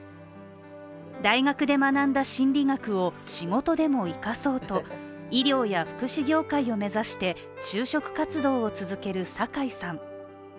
大学で学んだ心理学を仕事でも生かそうと医療や福祉業界を目指して就職活動を続ける酒井さん。